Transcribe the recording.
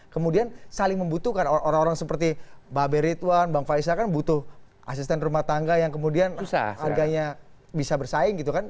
kemudian saling membutuhkan orang orang seperti mbak beridwan bang faisal kan butuh asisten rumah tangga yang kemudian harganya bisa bersaing gitu kan